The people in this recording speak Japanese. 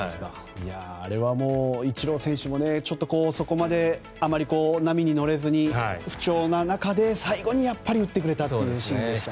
あれはイチロー選手もそこまであまり波に乗れずに不調な中で最後に打ってくれたぞというシーンでしたね。